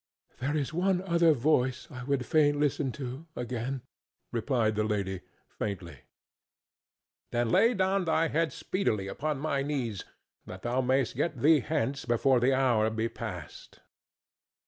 "There is one other voice I would fain listen to again," replied the lady, faintly. "Then lay down thy head speedily upon my knees, that thou mayst get thee hence before the hour be past."